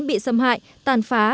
bị xâm hại tàn phá